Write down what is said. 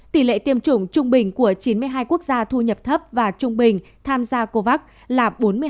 tỷ lệ tiêm chủng trung bình của chín mươi hai quốc gia thu nhập thấp và trung bình tham gia covax là bốn mươi hai